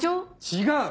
違う！